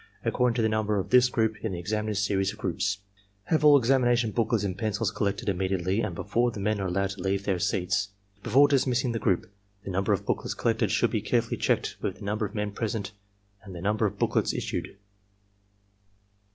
according to the number of this group in the examiner's series of groups). Have all examination booklets and pencils collected imme diately and before the men are allowed to leave their seats. Before dismissing the group, the number of booklets collected should be carefully checked with the number of men present and the number of booklets issued.